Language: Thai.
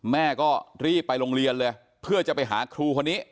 แม่ก็รีบไปโรงเรียนเลยเพื่อจะไปหาครูคนนี้